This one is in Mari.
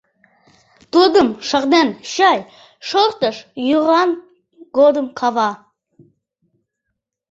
Тудым шарнен чай, шортеш йӱран годым кава.